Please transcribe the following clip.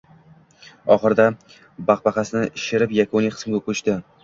Oxirida bag‘baqasini ishirib, yakuniy qismga ko‘chdi: